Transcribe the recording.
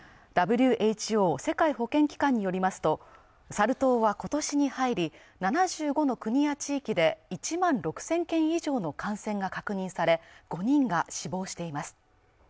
ＷＨＯ＝世界保健機関によりますとサル痘は今年に入り７５の国や地域で１万６０００件以上の感染が確認され５人が死亡しています